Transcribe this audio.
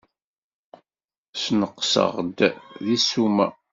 Sneqseɣ-d deg ssuma.